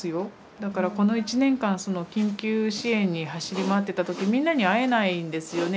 だからこの１年間緊急支援に走り回ってた時みんなに会えないんですよね。